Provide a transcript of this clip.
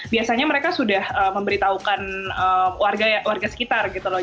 biasanya mereka sudah memberitahukan warga sekitar gitu loh